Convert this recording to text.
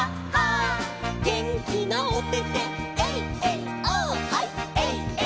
「げんきなおててエイエイオーッ」「ハイ」「」